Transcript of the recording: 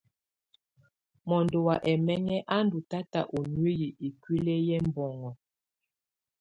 Mɔndɔ wa ɛmɛŋɛ a ndù tata u nuiyi ikuili yɛ ɛbɔŋɔ.